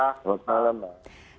selamat malam mbak